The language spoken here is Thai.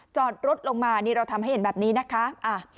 จอดรถลงมานี่เราทำให้เห็นแบบนี้นะคะ